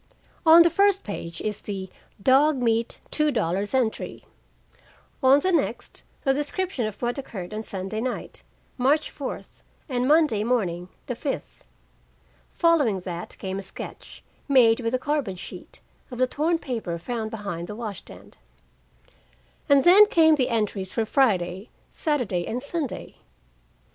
On the first page is the "dog meat two dollars" entry. On the next, the description of what occurred on Sunday night, March fourth, and Monday morning, the fifth. Following that came a sketch, made with a carbon sheet, of the torn paper found behind the wash stand: And then came the entries for Friday, Saturday and Sunday.